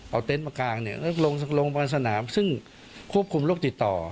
เอาเต็นต์มากางแล้วลงบนสนามซึ่งควบคุมโรคติดต่อ